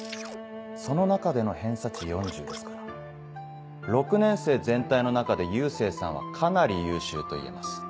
その中での偏差値４０ですから６年生全体の中で佑星さんはかなり優秀と言えます。